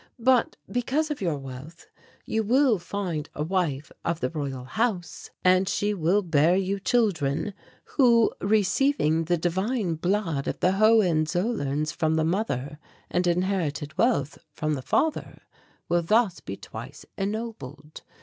But because of your wealth you will find a wife of the Royal House, and she will bear you children who, receiving the divine blood of the Hohenzollerns from the mother and inherited wealth from the father, will thus be twice ennobled.